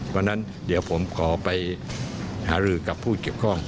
วันนั้นเดี๋ยวผมขอไปหารือกับผู้เจ็บข้อง